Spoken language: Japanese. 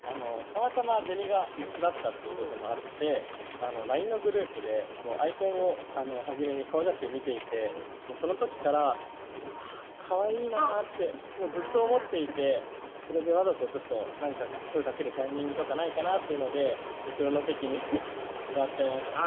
たまたまゼミが一緒だったっていうこともあってＬＩＮＥのグループでアイコンを初めに顔写真見ていてその時からうわかわいいなってずっと思っていてそれでわざと声かけるタイミングとかないかなっていうので後ろの席に座っちゃいました